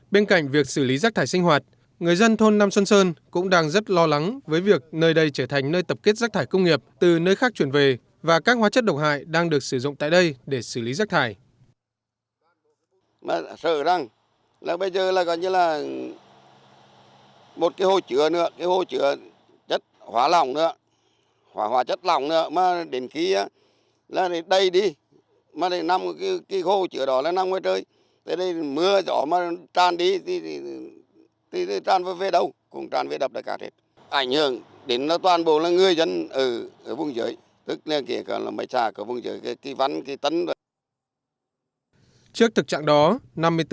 bên cạnh việc xử lý rác thải sinh hoạt người dân thôn nam xuân sơn cũng đang rất lo lắng với việc nơi đây trở thành nơi tập kết rác thải công nghiệp từ nơi khác chuyển về và các hóa chất độc hại đang được sử dụng tại đây để xử lý rác thải